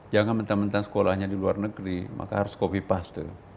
jangan mentah mentah sekolahnya di luar negeri maka harus copy paste